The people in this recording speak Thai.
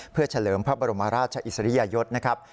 เพื่อเฉลิมพระบรมราชอิสริยยศนะครับ